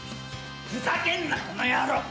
ふざけんな、このやろう！